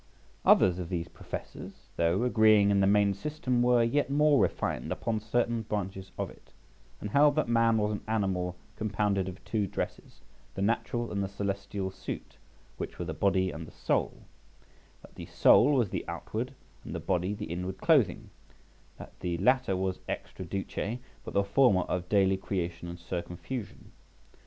Others of these professors, though agreeing in the main system, were yet more refined upon certain branches of it; and held that man was an animal compounded of two dresses, the natural and the celestial suit, which were the body and the soul; that the soul was the outward, and the body the inward clothing; that the latter was ex traduce, but the former of daily creation and circumfusion.